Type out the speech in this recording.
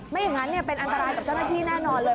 ไม่อย่างนั้นเป็นอันตรายกับเจ้าหน้าที่แน่นอนเลย